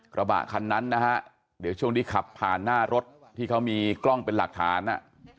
กระบะคันนั้นนะฮะเดี๋ยวช่วงที่ขับผ่านหน้ารถที่เขามีกล้องเป็นหลักฐานอ่ะ